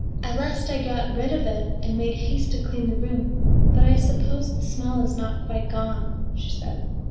At last I got rid of it and made haste to clean the room, but I suppose the smell is not quite gone," she said.